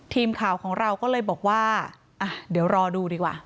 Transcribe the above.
ทีมข่าวของเราก็เลยบอกว่าอ่ะเดี๋ยวรอดูดีกว่า